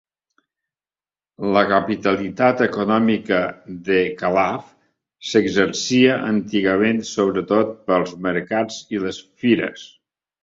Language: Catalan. La capitalitat econòmica de Calaf s'exercia antigament sobretot pels mercats i les fires.